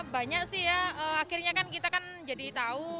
banyak sih ya akhirnya kan kita kan jadi tahu